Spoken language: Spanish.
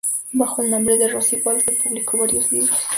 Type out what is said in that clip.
Bajo el nombre de Rosie Waldeck publicó varios libros.